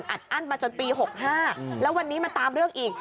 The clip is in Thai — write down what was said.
อัดอั้นมาจนปี๖๕แล้ววันนี้มาตามเรื่องอีก